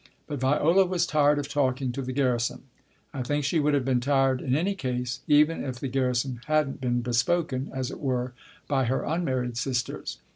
But Viola was tired of talking to the garrison. I think she would have been tired in any case, even if the garrison hadn't been bespoken, as it were, by her unmarried sisters.